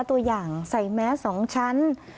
ตัวอย่างใส่แมส๒ชั้น